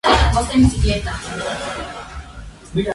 Son principalmente acuáticas, y las hembras alcanzan un tamaño grande.